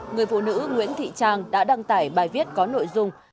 người phụ nữ nguyễn thị trang đã đăng tải bài viết có nội dung